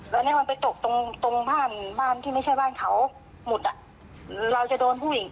แล้วเนี่ยมันไปตกตรงตรงบ้านบ้านที่ไม่ใช่บ้านเขาหมดอ่ะเราจะโดนผู้หญิง